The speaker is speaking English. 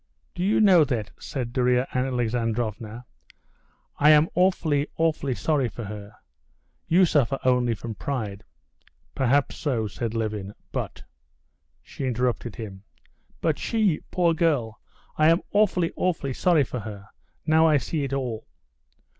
"Do you know that," said Darya Alexandrovna, "I am awfully, awfully sorry for her. You suffer only from pride...." "Perhaps so," said Levin, "but...." She interrupted him. "But she, poor girl ... I am awfully, awfully sorry for her. Now I see it all."